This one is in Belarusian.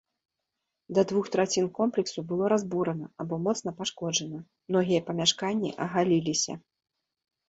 Да двух трацін комплексу было разбурана або моцна пашкоджана, многія памяшканні агаліліся.